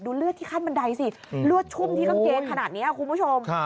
เลือดที่ขั้นบันไดสิเลือดชุ่มที่กางเกงขนาดนี้คุณผู้ชม